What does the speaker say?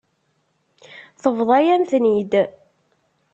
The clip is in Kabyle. Tebḍa-yam-ten-id.